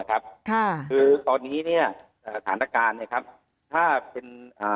คือตอนนี้สถานการณ์ถ้าเป็น